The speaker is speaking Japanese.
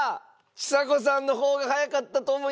ちさ子さんの方が早かったと思いました。